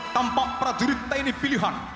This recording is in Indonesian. tampak prajurit tni pilihan